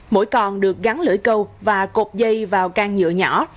mỗi con được gắn lưỡi câu và cột dây vào can nhựa nhỏ